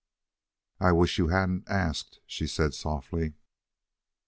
"I I wish you hadn't asked," she said softly.